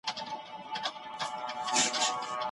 موږ تر ټولو ډېر اتڼ وړاندي کوو.